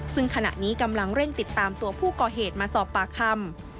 ซึ่งขณะนี้กำลังเร่งติดตามตัวผู้ก่อเหตุมาสอบปากคำ